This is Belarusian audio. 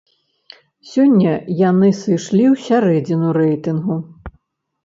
Сёння яны сышлі ў сярэдзіну рэйтынгу.